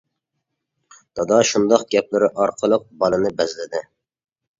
دادا شۇنداق گەپلىرى ئارقىلىق بالىنى بەزلىدى.